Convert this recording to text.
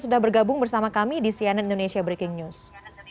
sudah bergabung bersama kami di cnn indonesia breaking news